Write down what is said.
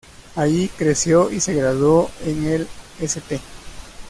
Allí creció y se graduó en el St.